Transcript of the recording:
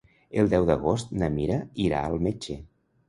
El deu d'agost na Mira irà al metge.